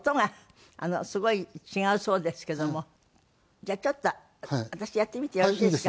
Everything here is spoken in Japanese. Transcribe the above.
じゃあちょっと私やってみてよろしいですか？